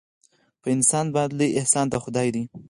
په انسان باندې لوی احسان د خدای دی.